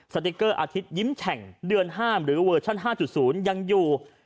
สติ๊กเกอร์อาทิตยิ้มแฉ่งเดือน๕หรือเวอร์ชั่น๕๐ยังอยู่